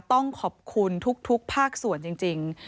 ต้องขอบคุณทุกภาคส่วนจริง